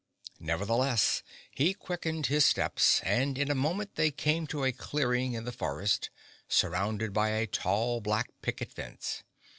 Nevertheless he quickened his steps and in a moment they came to a clearing in the forest, surrounded by a tall black picket fence.